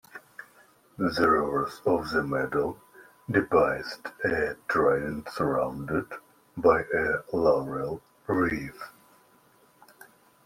The reverse of the medal depicts a trident surrounded by a laurel wreath.